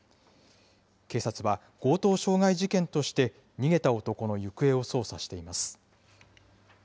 警察は、強盗傷害事件として、逃げた男の行方を捜査しています。